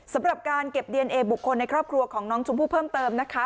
สำหรับการเก็บดีเอนเอบุคคลในครอบครัวของน้องชมพู่เพิ่มเติมนะคะ